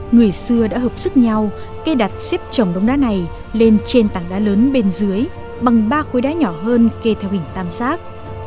người xưa đã hợp sức nhau gây đặt xếp trồng đống đá này lên trên tảng đá lớn bên dưới bằng ba khối đá nhỏ hơn kề theo hình tam giác